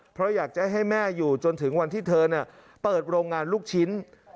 เพราะอยากจะให้แม่อยู่จนถึงวันที่เธอเปิดโรงงานลูกชิ้น